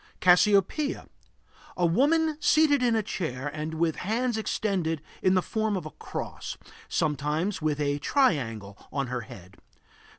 CASSIOPEIA. A woman seated in a chair and with hands extended in the form of a cross; sometimes with a triangle on her head.